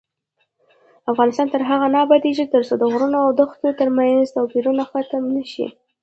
افغانستان تر هغو نه ابادیږي، ترڅو د غرونو او دښتو ترمنځ توپیرونه ختم نشي.